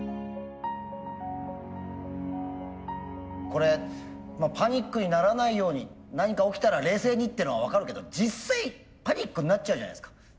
これパニックにならないように何か起きたら冷静にっていうのは分かるけど実際パニックになっちゃうじゃないですか。